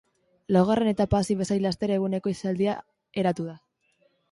Laugarren etapa hasi bezain laster eguneko ihesaldia eratu da.